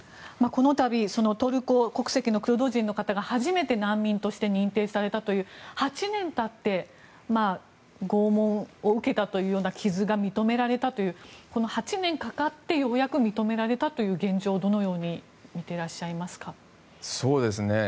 この度、トルコ国籍のクルド人の方が初めて難民として認定されたという８年たって拷問を受けたという傷が認められたという８年かかってようやく認められた現状をどう見ていらっしゃいますか。